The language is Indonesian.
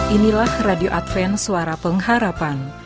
inilah radio adven suara pengharapan